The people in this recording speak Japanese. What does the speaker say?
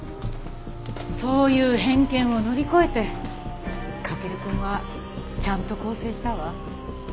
そういう偏見を乗り越えて駆くんはちゃんと更生したわ。